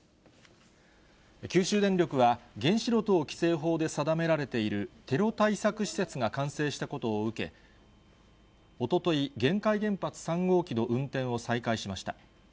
九州電力は、原子炉等規制法で定められているテロ対策施設が完成したことを受け、おととい、玄海原発３号機の運転を再開しました。